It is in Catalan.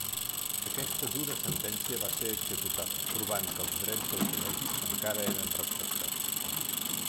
Aquesta dura sentència va ser executada, provant que els drets del Col·legi encara eren respectats.